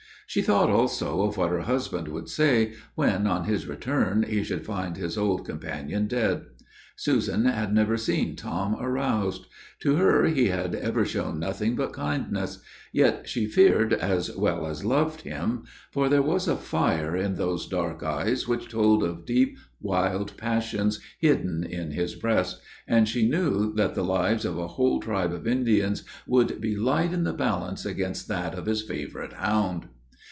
She thought, also, of what her husband would say, when, on his return, he should find his old companion dead. Susan had never seen Tom roused. To her he had ever shown nothing but kindness; yet she feared as well as loved him, for there was a fire in those dark eyes which told of deep, wild passions hidden in his breast, and she knew that the lives of a whole tribe of Indians would be light in the balance against that of his favorite hound.